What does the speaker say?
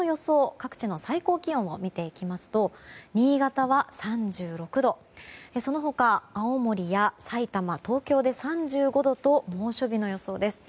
各地の最高気温を見ていきますと新潟は３６度その他、青森やさいたま東京で３５度と猛暑日の予想です。